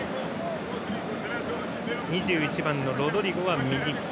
２１番、ロドリゴは右利き。